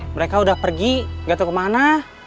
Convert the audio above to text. mereka udah pergi gak tau kemana